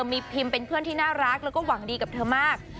มีพิมเป็นเพื่อนที่น่ารักแล้วก็หวังดีกับเธอมาก